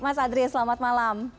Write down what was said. mas adri selamat malam